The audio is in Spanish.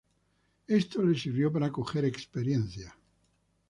Esto le sirvió para coger experiencia.